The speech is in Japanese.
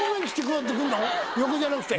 横じゃなくて？